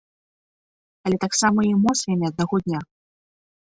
Але таксама і эмоцыямі аднаго дня.